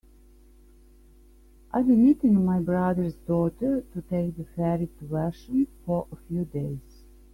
I will be meeting my brother's daughter to take the ferry to Vashon for a few days.